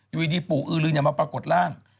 อยู่ดีปู่อือลึงมาปรากฏร่าง